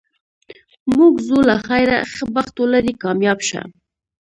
موږ ځو له خیره، ښه بخت ولرې، کامیاب شه.